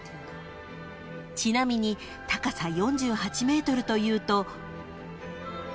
［ちなみに高さ４８ｍというと］